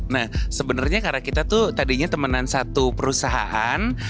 nah sebenernya karena kita tuh tadinya temenan satu perusahaan